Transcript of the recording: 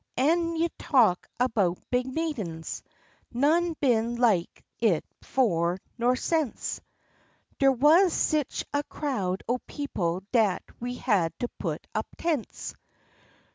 An' you talk about big meetin's! None been like it 'fore nor sence; Der wuz sich a crowd o' people dat we had to put up tents.